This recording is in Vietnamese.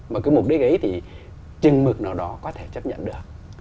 mà cái mục đích ấy thì chừng mực nào đó có thể chấp nhận được